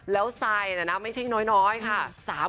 แล้วไซน์เนี่ยนะไม่ใช่น้อยค่ะ